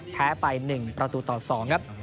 แพ้ไป๑ประตูต่อ๒ครับ